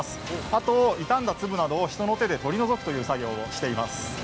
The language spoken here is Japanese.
あと傷んだ粒などを人の手で取り除くという作業をしています。